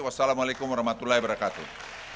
wassalamu'alaikum warahmatullahi wabarakatuh